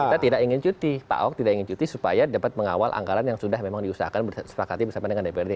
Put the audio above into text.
kita tidak ingin cuti pak ahok tidak ingin cuti supaya dapat mengawal anggaran yang sudah memang diusahakan sepakati bersama dengan dprd